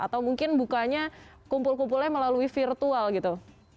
atau mungkin bukanya kumpul kumpulnya melalui virtual gitu